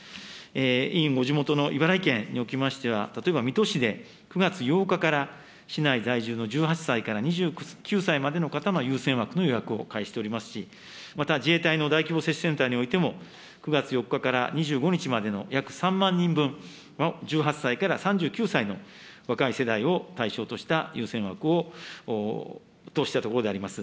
委員ご地元の茨城県におきましては、例えば水戸市で９月８日から市内在住の１８歳から２９歳までの方の優先枠の予約を開始しておりますし、また自衛隊の大規模接種センターにおいても、９月４日から２５日までの約３万人分、１８歳から３９歳の若い世代を対象とした優先枠としたところであります。